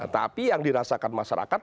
tapi yang dirasakan masyarakat